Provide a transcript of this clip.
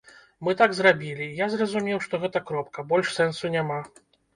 Мы так зрабілі, і я зразумеў, што гэта кропка, больш сэнсу няма.